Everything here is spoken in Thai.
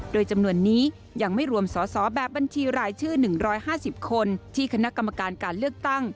โดยจำนวนนี้ยังไม่รวมสอสอแบบบัญชีรายชื่อ๑๕๐คนที่คณะกรรมการการเลือกตั้ง